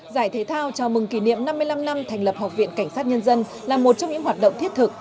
giải thể thao chào mừng kỷ niệm năm mươi năm năm thành lập học viện cảnh sát nhân dân là một trong những hoạt động thiết thực